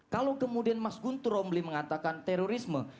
kalau kemudian mas guntur romli mengatakan terorisme